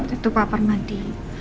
itu pak permati